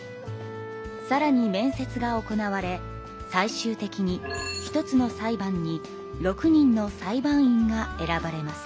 さらに面接が行われ最終的に１つの裁判に６人の裁判員が選ばれます。